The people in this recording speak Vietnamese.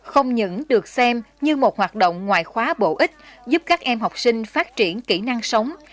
không những được xem như một hoạt động ngoại khóa bổ ích giúp các em học sinh phát triển kỹ năng sống